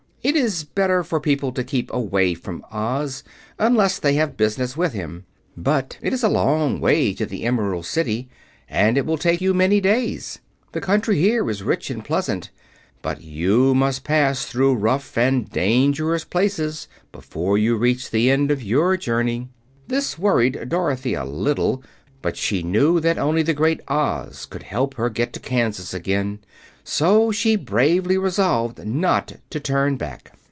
It is better for people to keep away from Oz, unless they have business with him. But it is a long way to the Emerald City, and it will take you many days. The country here is rich and pleasant, but you must pass through rough and dangerous places before you reach the end of your journey." This worried Dorothy a little, but she knew that only the Great Oz could help her get to Kansas again, so she bravely resolved not to turn back.